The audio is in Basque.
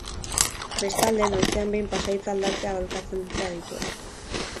Bestalde, noizean behin pasahitza aldatzea aholkatzen dute adituek.